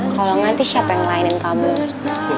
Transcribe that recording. kalau gak siapa yang lain yang kabur